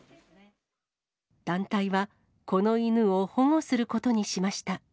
団体は、この犬を保護することにしました。